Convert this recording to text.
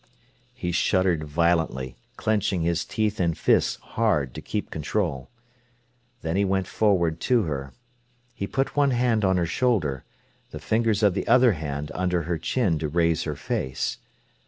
He shuddered violently, clenching his teeth and fists hard to keep control. Then he went forward to her. He put one hand on her shoulder, the fingers of the other hand under her chin to raise her face.